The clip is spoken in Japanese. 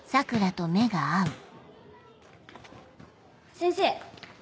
先生。